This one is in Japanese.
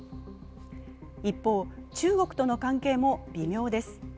一方、中国との関係も微妙です。